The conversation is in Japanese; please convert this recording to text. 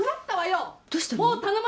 どうしたの？